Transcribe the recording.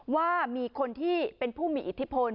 ว่ามีคนที่เป็นผู้มีอิทธิพล